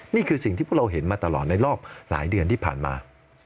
นี่คือสิ่งที่พวกเราเห็นมาตลอดในรอบหลายเดือนที่ผ่านมา